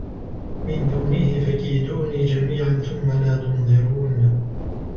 مِنْ دُونِهِ فَكِيدُونِي جَمِيعًا ثُمَّ لَا تُنْظِرُونِ